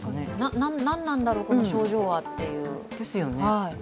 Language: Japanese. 何なんだろう、この症状はっていう。